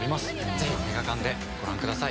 ぜひ映画館でご覧ください